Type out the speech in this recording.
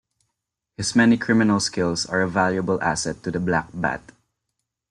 His many criminal skills are a valuable asset to the Black Bat.